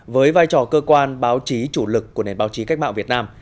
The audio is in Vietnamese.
với vai trò cơ quan báo chí chủ lực của nền báo chí cách mạng việt nam